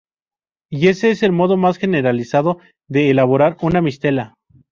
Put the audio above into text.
Y ese es el modo más generalizado de elaborar una mistela.